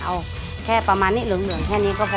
เอาแค่ประมาณนี้เหลืองแค่นี้ก็พอ